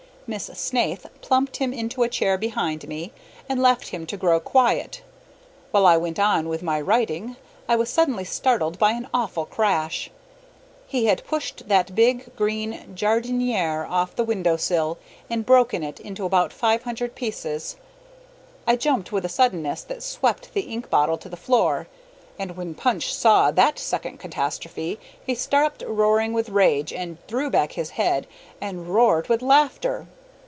Miss Snaith plumped him into a chair behind me, and left him to grow quiet, while I went on with my writing. I was suddenly startled by an awful crash. He had pushed that big green jardiniere off the window sill and broken it into five hundred pieces. I jumped with a suddenness that swept the ink bottle to the floor, and when Punch saw that second catastrophe, he stopped roaring with rage and threw back his head and roared with laughter.